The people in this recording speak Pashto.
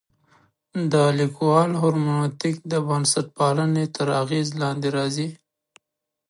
د لیکوال هرمنوتیک د بنسټپالنې تر اغېز لاندې راځي.